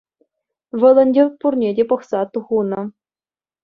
Вӑл ӗнтӗ пурне те пӑхса хунӑ.